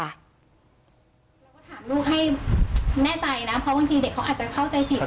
เราก็ถามลูกให้แน่ใจนะเพราะบางทีเด็กเขาอาจจะเข้าใจผิด